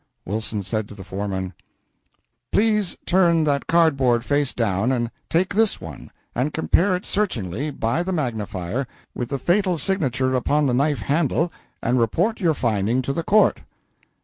Wilson said to the foreman "Please turn that cardboard face down, and take this one, and compare it searchingly, by the magnifier, with the fatal signature upon the knife handle, and report your finding to the court."